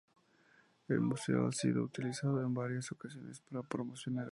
El museo ha sido utilizado en varias ocasiones para promocionar eventos.